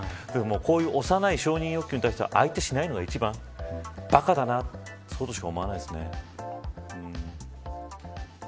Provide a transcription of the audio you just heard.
こういう幼い承認要求に対しては相手しないのが一番ばかだなとしか思わないですね。